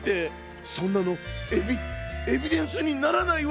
そんなのエビエビデンスにならないわ！